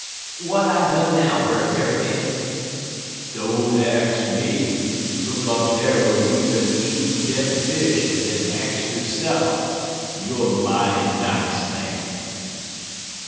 "'Wat I done now, Brer Tarrypin?' "'Don't ax me. Look up dar whar you bin eatin' dem fish en den ax yo'se'f. Youer mighty nice man!'